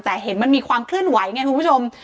แต่เห็นมันมีความเคลื่อนไหวไงคุณผู้ชม